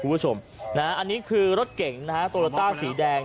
คุณผู้ชมนะฮะอันนี้คือรถเก่งนะฮะโตโยต้าสีแดง